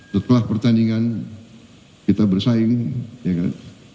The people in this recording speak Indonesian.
setelah pertandingan kita bersaing ya kan